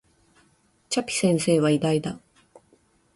チャピ先生は偉大だ